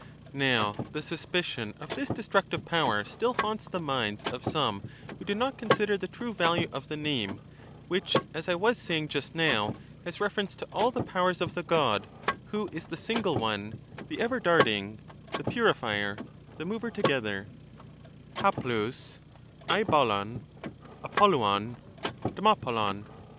Now the suspicion of this destructive power still haunts the minds of some who do not 406 consider the true value of the name, which, as I was saying just now ^, has reference to all the powers of the God, who is the single one, the everdarting, the purifier, the mover together (aTAovf, del (idXXoiv, dnoXovcov^ dfioTToXiiJv).